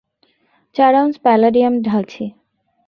চার ounce palladium ঢালছি।